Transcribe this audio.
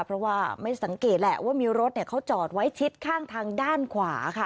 เพราะว่าไม่สังเกตแหละว่ามีรถเขาจอดไว้ชิดข้างทางด้านขวาค่ะ